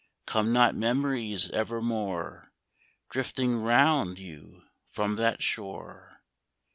Come not memories evermore Drifting round you from that shore